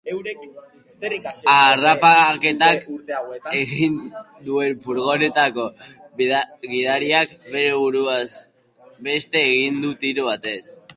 Harrapaketa egin duen furgonetako gidariak bere buruaz beste egin du tiro batez.